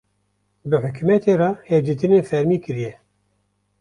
bi hukumetê re hevditînên fermî kiriye.